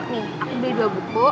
nih aku beli dua buku